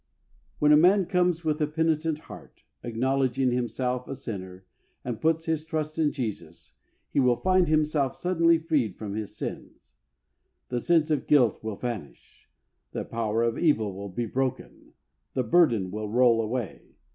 When a man comes with a penitent heart, acknowledging himself a sinner, and puts his trust in Jesus, he will find himself suddenly freed from his sins. The sense of guilt will vanish. The power of evil will be broken. The burden will roll away.